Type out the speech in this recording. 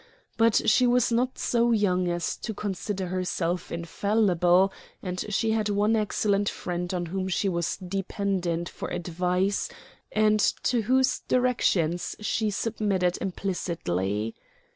But she was not so young as to consider herself infallible, and she had one excellent friend on whom she was dependent for advice and to whose directions she submitted implicitly.